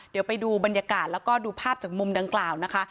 เดี๋ยวไปดูบรรยากาศแล้วก็ดูภาพจากมุมดังกล่าวนะคะ